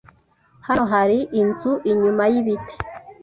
Hano hari inzu inyuma yibiti.